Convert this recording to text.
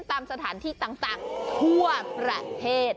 ตามสถานที่ต่างทั่วประเทศ